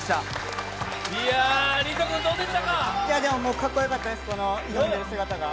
かっこよかったです、この挑んでる姿が。